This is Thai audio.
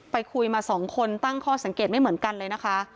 ไปคุยมาสองคนตั้งข้อสังเกตไม่เหมือนกันเลยนะคะ